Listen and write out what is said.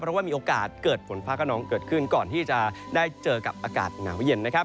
เพราะว่ามีโอกาสเกิดฝนฟ้ากระนองเกิดขึ้นก่อนที่จะได้เจอกับอากาศหนาวเย็นนะครับ